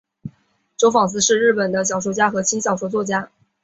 周防司是日本的小说家和轻小说作家。